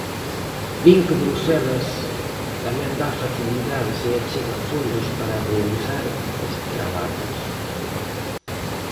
Din que Bruxelas tamén da facilidades e achega fondos para realizar os traballo.